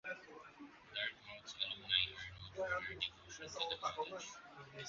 Dartmouth's alumni are known for their devotion to the college.